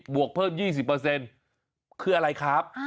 วกเพิ่ม๒๐คืออะไรครับ